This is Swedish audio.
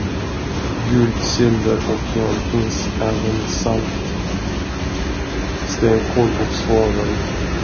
Guld, silver och järn finns, även salt, stenkol och svavel.